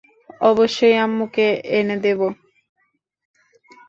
অবশ্যই আম্মুকে এনে দেবো।